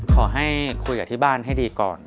ขอให้คุยกับที่บ้านให้ดีก่อน